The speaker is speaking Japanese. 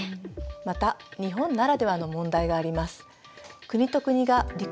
また日本ならではの問題があります。